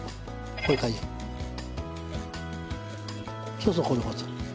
そうそうこういう事。